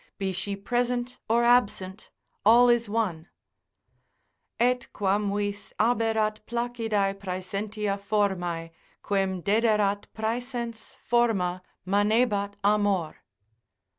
Be she present or absent, all is one; Et quamvis aberat placidae praesentia formae Quem dederat praesens forma, manebat amor.